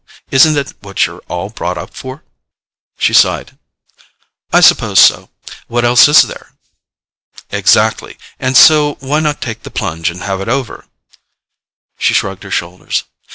Isn't it what you're all brought up for?" She sighed. "I suppose so. What else is there?" "Exactly. And so why not take the plunge and have it over?" She shrugged her shoulders.